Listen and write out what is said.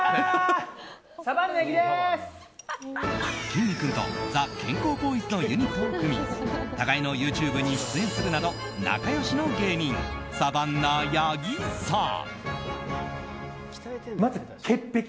きんに君とザ☆健康ボーイズのユニットを組み互いのＹｏｕＴｕｂｅに出演するなど仲良しの芸人サバンナ八木さん。